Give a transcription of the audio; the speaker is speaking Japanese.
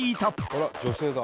あら女性だ。